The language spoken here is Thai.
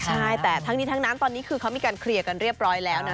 ใช่แต่ทั้งนี้ทั้งนั้นตอนนี้คือเขามีการเคลียร์กันเรียบร้อยแล้วนะ